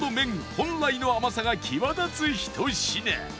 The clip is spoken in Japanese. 本来の甘さが際立つ１品